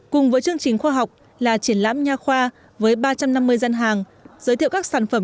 cùng với chương trình khoa học là triển lãm nhà khoa với ba trăm năm mươi dân hàng giới thiệu các sản phẩm